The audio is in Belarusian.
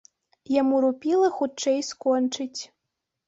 Яму рупіла хутчэй скончыць.